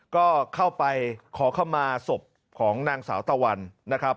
ก็เข้าไปขอขมาศพของนางสาวตะวันนะครับ